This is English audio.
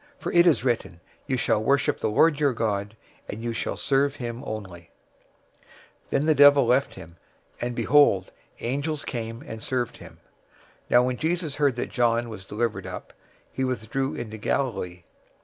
For it is written, 'You shall worship the Lord your God, and him only shall you serve.'"{Deuteronomy 6:13} 004:011 Then the devil left him, and behold, angels came and served him. 004:012 Now when Jesus heard that John was delivered up, he withdrew into Galilee.